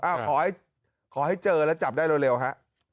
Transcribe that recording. อ้าวขอให้เจอแล้วจับได้เร็วฮะ